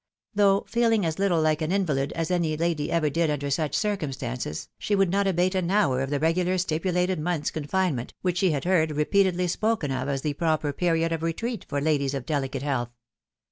Though feeling as little like an invahd as any lady ever did under such circumstances, she would not abate an hour of the regular stipulated month's confinement, which she had heard repeatedly spoken of as the proper period of retreat for ladies of delicate health.